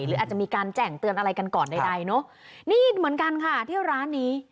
หรืออาจจะมีการแจ่งเตือนอะไรกันก่อนใดใดเนอะนี่เหมือนกันค่ะที่ร้านนี้